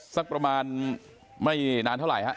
สักประมาณไม่นานเท่าไหร่ฮะ